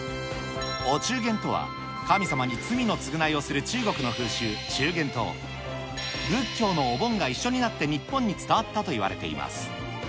お中元とは、神様に罪の償いをする中国の風習、中元と、仏教のお盆が一緒になって日本に伝わったといわれています。